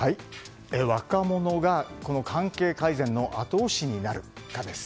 若者が関係改善の後押しになるかです。